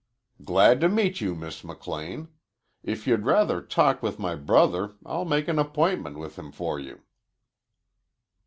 "Glad to meet you, Miss McLean. If you'd rather talk with my brother I'll make an appointment with him for you."